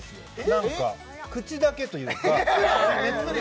何か口だけというか熱量？